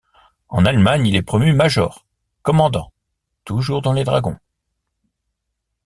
En Allemagne, il est promu Major, commandant, toujours dans les Dragons.